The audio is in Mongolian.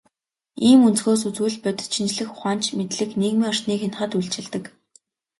Ийм өнцгөөс үзвэл, бодит шинжлэх ухаанч мэдлэг нийгмийн орчныг хянахад үйлчилдэг.